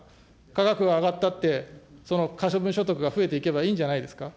価格が上がったって、その分、可処分所得が増えていけばいいんじゃないですか。